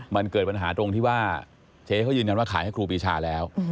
มันเกิดปัญหาตรงที่ว่าเจ๊เขายืนยันว่าขายให้ครูปีชาแล้ว